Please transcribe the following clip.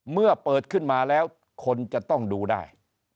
เมื่อเปิดขึ้นมาแล้วคนจะต้องดูได้